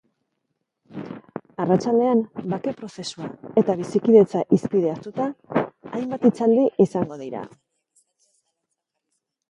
Arratsaldean, bake prozesua eta bizikidetza hizpide hartuta, hainbat hitzaldi izango dira.